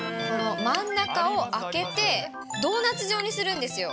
真ん中を空けて、ドーナツ状にするんですよ。